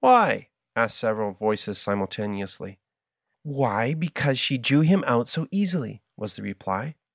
"Why?" asked several voices simultaneously. "Why, because she drew him out so easily," was the reply.